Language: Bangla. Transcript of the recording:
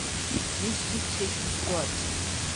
নিশ্চিত সে সুস্থ আছে।